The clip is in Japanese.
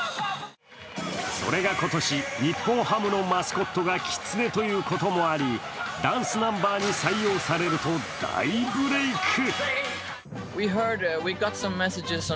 それが今年、日本ハムのマスコットがきつねということもあり、ダンスナンバーに採用されると大ブレーク。